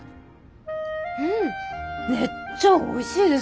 うんめっちゃおいしいです。